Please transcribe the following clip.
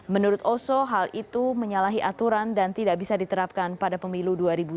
menurut oso hal itu menyalahi aturan dan tidak bisa diterapkan pada pemilu dua ribu sembilan belas